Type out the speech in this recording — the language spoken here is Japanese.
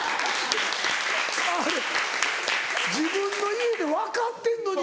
あれ自分の家で分かってんのに。